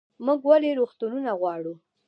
موږ ولې روغتونونه غواړو؟